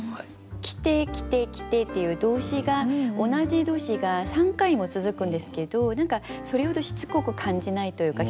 「来て」「来て」「来て」っていう動詞が同じ動詞が３回も続くんですけど何かそれほどしつこく感じないというか。